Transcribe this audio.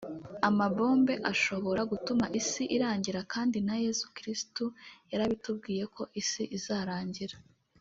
amabombe ashobora gutuma isi irangira kandi na Yezu Kiristo yarabitubwiye ko isi izarangira